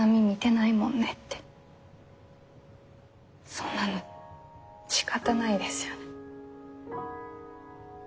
そんなのしかたないですよね。